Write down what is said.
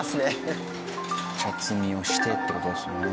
茶摘みをしてって事ですよね。